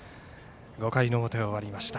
５回の表を終わりました。